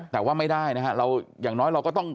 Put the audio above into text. แต่ว่าไม่ได้นะฮะเราอย่างน้อยเราก็ต้อง